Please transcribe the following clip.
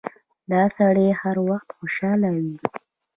دا سړی هر وخت خوشاله وي.